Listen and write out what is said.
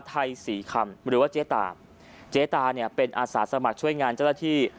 ไทยสี่คำเหมือนกับเจ๊ตาเจ๊ตาเนี้ยเป็นอาหารสมัครช่วยงานเจ้าละธี